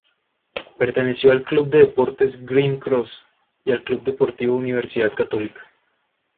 Perteneció al Club de Deportes Green Cross y al Club Deportivo Universidad Católica.